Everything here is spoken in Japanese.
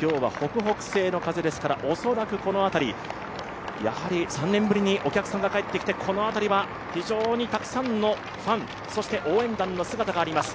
今日は北北西の風ですから恐らくこの辺りやはり３年ぶりにお客さんが帰ってきて、この辺りは非常にたくさんのファン、応援団の姿があります。